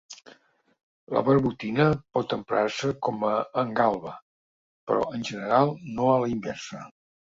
La barbotina pot emprar-se com a engalba, però en general no a la inversa.